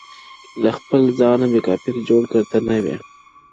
له خپل ځانه مي کافر جوړ کړ ته نه وي-